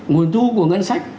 nguồn thu của ngân sách